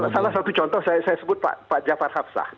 salah satu contoh saya sebut pak jafar hafsah